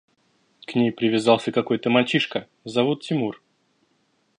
– К ней привязался какой-то мальчишка, зовут Тимур.